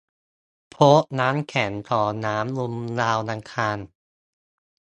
พบน้ำแข็งของน้ำบนดาวอังคาร